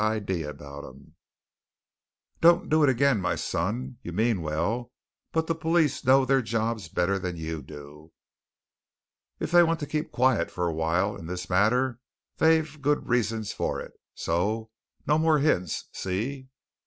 I.D. about 'em. Don't do it again, my son! you mean well, but the police know their job better than you do. If they want to keep quiet for a while in this matter, they've good reasons for it. So no more hints. See?"